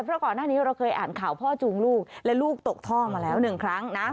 เพราะก่อนหน้านี้เราเคยอ่านข่าวพ่อจูงลูกและลูกตกท่อมาแล้วหนึ่งครั้งนะ